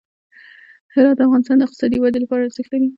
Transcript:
هرات د افغانستان د اقتصادي ودې لپاره ارزښت لري.